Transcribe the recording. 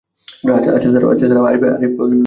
আচ্ছা স্যার আরিফ লাইনে আছে।